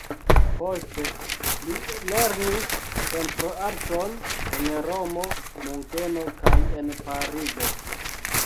Poste li lernis pentroarton en Romo, Munkeno kaj en Parizo.